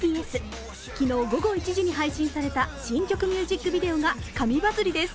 昨日午後１時に配信された新曲ミュージックビデオが神バズりです。